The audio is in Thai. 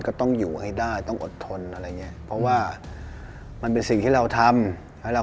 ก็ต้องอยู่ให้ได้ต้องอดทนอะไรอย่างเงี้ยเพราะว่ามันเป็นสิ่งที่เราทำให้เรา